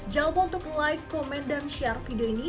jangan lupa untuk like komen dan share video ini